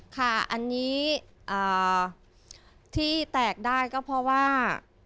ค่ะอันนี้ที่แตกได้ก็เพราะว่า